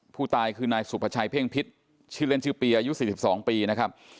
ผู้ตายคือนายสุภาชัยเพ่งพิษชื่อเล่นชื่อปีอายุ๔๒ปีนะครับ